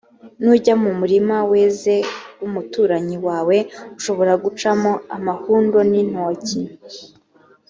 nujya mu murima weze w’umuturanyi wawe, ushobora gucamo amahundo n’intoki;